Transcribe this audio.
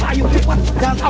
mereka sudah membawa anak si umai